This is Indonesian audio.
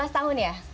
empat belas tahun ya